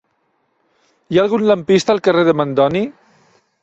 Hi ha algun lampista al carrer de Mandoni?